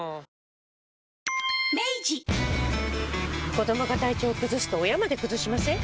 子どもが体調崩すと親まで崩しません？